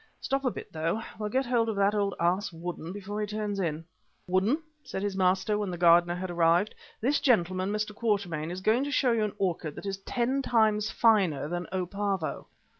Stop a bit, though, we'll get hold of that old ass, Woodden, before he turns in." "Woodden," said his master, when the gardener had arrived, "this gentleman, Mr. Quatermain, is going to show you an orchid that is ten times finer than 'O. Pavo!